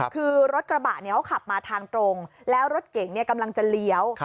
คือรถกระบะเขาขับมาทางตรงแล้วรถเก๋งกำลังจะเลี้ยว